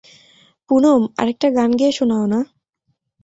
পুনম, আরেকটা গান গেয়ে শোনাও না!